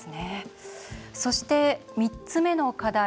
そして、３つ目の課題